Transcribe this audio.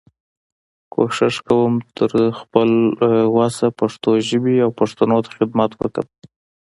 کوشش کوم چې تر خپل وسه پښتو ژبې او پښتنو ته خدمت وکړم.